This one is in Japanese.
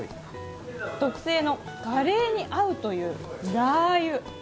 特製のカレーに合うというラー油。